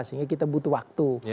sehingga kita butuh waktu